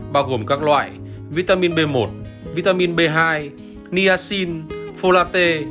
bao gồm các loại vitamin b một vitamin b hai niacin folate